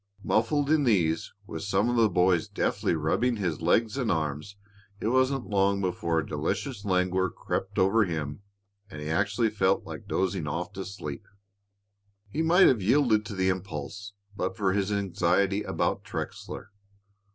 Muffled in these, with some of the boys deftly rubbing his legs and arms, it wasn't long before a delicious languor crept over him and he actually felt like dozing off to sleep. He might have yielded to the impulse but for his anxiety about Trexler.